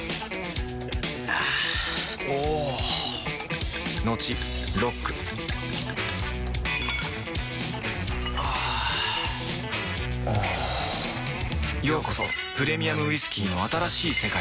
あぁおぉトクトクあぁおぉようこそプレミアムウイスキーの新しい世界へ